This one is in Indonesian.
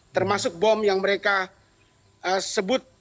termasuk bom yang mereka sebut